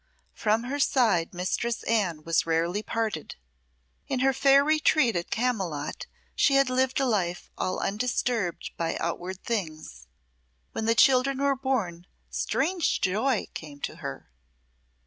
From her side Mistress Anne was rarely parted. In her fair retreat at Camylott she had lived a life all undisturbed by outward things. When the children were born strange joy came to her.